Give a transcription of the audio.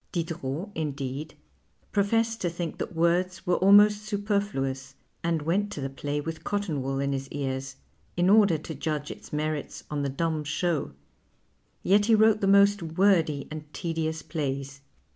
Diderot, indeed, jjrofessed to think that words were almost sui)ernuous, and went to the play with cotton wool in his ears in order to judge its merits on the dumb show ; yet he wrote the most wordy and tedious plays.